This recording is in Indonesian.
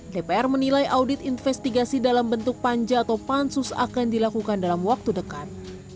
dpr menilai audit investigasi dalam bentuk panja atau pansus akan dilakukan dalam waktu dekat